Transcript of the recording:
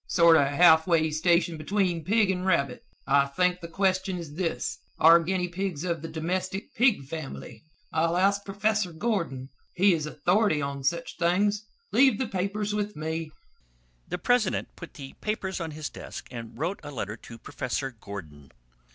Sort of half way station between pig and rabbit. I think the question is this are guinea pigs of the domestic pig family? I'll ask professor Gordon. He is authority on such things. Leave the papers with me." The president put the papers on his desk and wrote a letter to Professor Gordon.